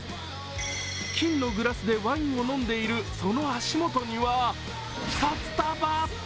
金のグラスでワインを飲んでいるその足元には札束！